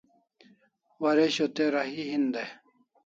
Waresho te rahi hin dai